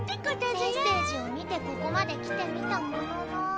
メッセージを見てここまで来てみたものの。